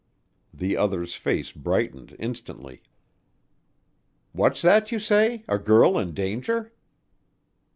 The other's face brightened instantly. "What's that you say? A girl in danger?"